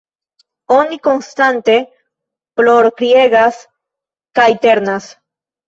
Oni konstante plorkriegas kaj ternas.